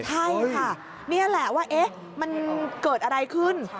ใช่ค่ะนี่แหละว่ามันเกิดอะไรขึ้น